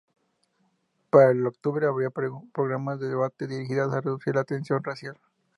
Para el octubre había programas de debate dirigidas a reducir la tensión racial.